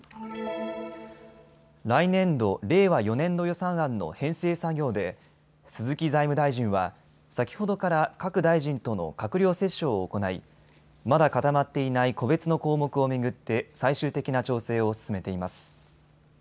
来年度・令和４年度予算案の編成作業で鈴木財務大臣は先ほどから各大臣との閣僚折衝を行い、まだ固まっていない個別の項目を巡って最終的な調整を進めています。